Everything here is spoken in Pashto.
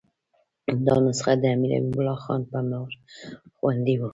دا نسخه د امیر حبیب الله خان په مهر خوندي وه.